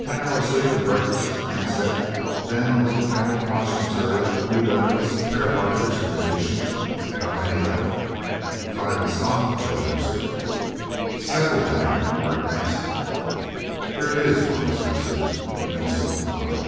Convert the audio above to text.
"Ten hours sleep and breakfast," Frank said. "Then a little camouflage material, new weapons, a pair of Archers in condition got any left?" "Five in stock," Joe answered. "Settled, then?" Art asked. "Here, it is," Ramos answered, and Nelsen nodded.